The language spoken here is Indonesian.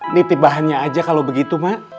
niti bahannya aja kalau begitu mak